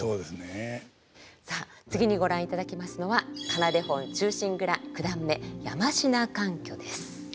さあ次にご覧いただきますのは「仮名手本忠臣蔵九段目山科閑居」です。